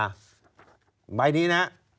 หมายนี้นะ